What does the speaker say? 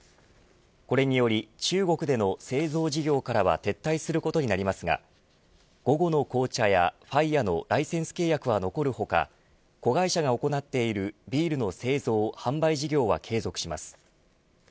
これにより中国での製造事業からは撤退することになりますが午後の紅茶やＦＩＲＥのライセンス契約は残る他子会社が行っているビールの製造販売事業は継続します。